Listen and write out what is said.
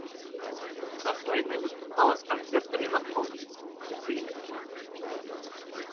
У час вайны выступала з канцэртамі на фронце, у тыле.